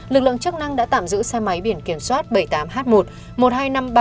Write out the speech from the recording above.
lực lượng chức năng đã tạm giữ xe máy biển kiểm soát bảy mươi tám h một một mươi hai nghìn năm trăm ba mươi